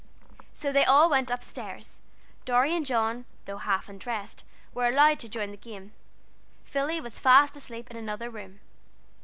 So they all went up stairs. Dorry and John, though half undressed, were allowed to join the game. Philly was fast asleep in another room.